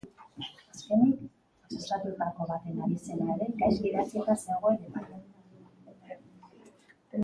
Azkenik, akusatuetako baten abizena ere gaizki idatzita zegoen epaian.